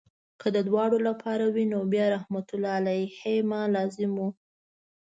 که د دواړو لپاره وي نو بیا رحمت الله علیهما لازم وو.